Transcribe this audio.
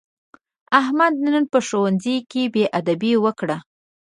احمد نن په ښوونځي کې بېادبي وکړه.